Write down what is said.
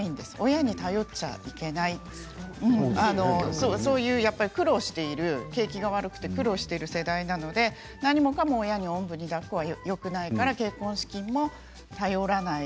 親に頼ってはいけないそういうやっぱり景気が悪くて苦労している世代なので何もかも親におんぶにだっこはよくないから結婚資金も頼らない。